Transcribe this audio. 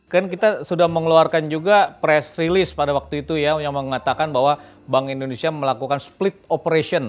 kan kita sudah mengeluarkan juga press release pada waktu itu ya yang mengatakan bahwa bank indonesia melakukan split operation